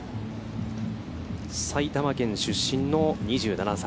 埼玉県出身の２７歳。